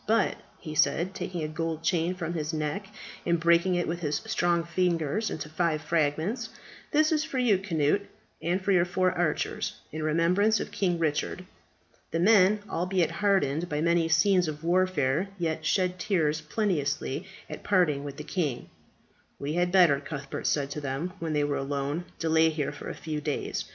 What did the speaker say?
But," he said, taking a gold chain from his neck and breaking it with his strong fingers into five fragments, "that is for you, Cnut, and for your four archers, in remembrance of King Richard." The men, albeit hardened by many scenes of warfare, yet shed tears plenteously at parting with the king. "We had better," Cuthbert said to them when they were alone, "delay here for a few days.